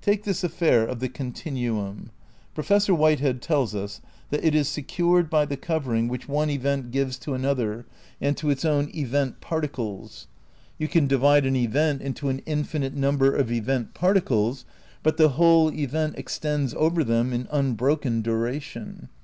Take this affair of the continuum. Professor "White head teUs us that it is secured by the covering which one event gives to another and to its own "event particles." You can divide an event into an infinite number of event particles, but the whole event extends over them in unbroken duration.